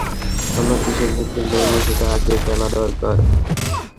আমরা কিসের বিরুদ্ধে লড়বো সেটা আগে জানা দরকার!